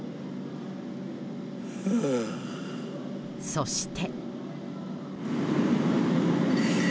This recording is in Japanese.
そして。